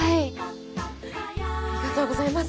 ありがとうございます。